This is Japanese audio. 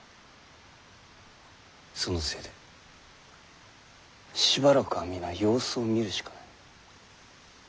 そのせいでしばらくは皆様子を見るしかない。